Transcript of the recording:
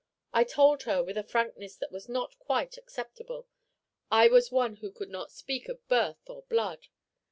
I told her, with a frankness that was not quite acceptable, I was one who could not speak of birth or blood.